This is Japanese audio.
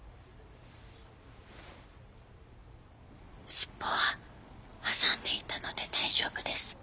尻尾は挟んでいたので大丈夫です。